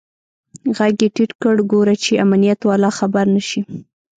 ږغ يې ټيټ کړ ګوره چې امنيت والا خبر نسي.